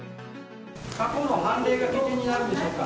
過去の判例が基準になるんでしょうか。